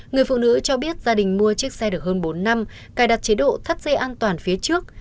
người phụ nữ cho biết gia đình mua chiếc xe được hơn bốn năm cài đặt chế độ thắt dây an toàn phía trước